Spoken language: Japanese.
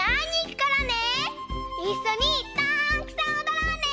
いっしょにたくさんおどろうね！